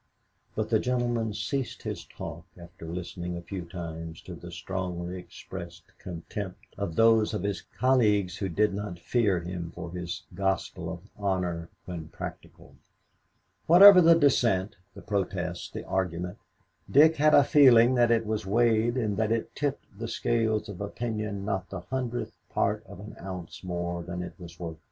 But the gentleman ceased his talk after listening a few times to the strongly expressed contempt of those of his colleagues who did not fear him for his gospel of honor when practical. Whatever the dissent, the protest, the argument, Dick had a feeling that it was weighed and that it tipped the scale of opinion not the hundredth part of an ounce more than it was worth.